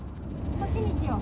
こっちにしよう。